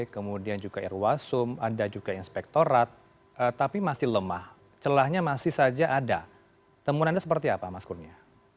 kemudian juga irwasum ada juga inspektorat tapi masih lemah celahnya masih saja ada temuan anda seperti apa mas kurnia